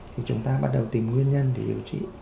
thì chúng ta bắt đầu tìm nguyên nhân để điều trị